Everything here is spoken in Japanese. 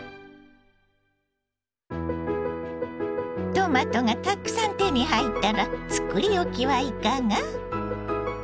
トマトがたくさん手に入ったら作り置きはいかが。